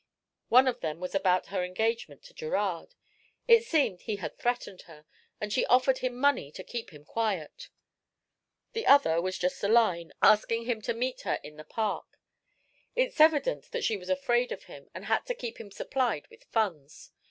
One of them was about her engagement to Gerard it seemed he had threatened her, and she offered him money to keep him quiet; the other was just a line, asking him to meet her in the Park. It's evident that she was afraid of him and had to keep him supplied with funds.